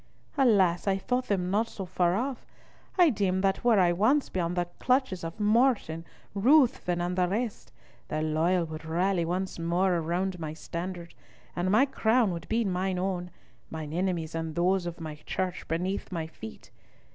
Alas! I thought them not so far off. I deemed that were I once beyond the clutches of Morton, Ruthven, and the rest, the loyal would rally once more round my standard, and my crown would be mine own, mine enemies and those of my Church beneath my feet.